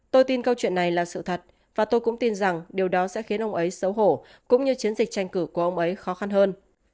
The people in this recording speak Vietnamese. tôi tin câu chuyện này là sự thật và tôi cũng tin rằng điều đó sẽ khiến ông ấy xấu hổ cũng như chiến dịch tranh cử của ông ấy khó khăn hơn